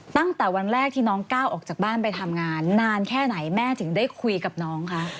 ตั้งแต่วันแรกที่น้องก้าวออกจากบ้านไปทำงานนานแค่ไหนแม่ถึงได้คุยกับน้องคะ